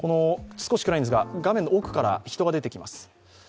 少し暗いんですが、画面の奥から人が出てきます。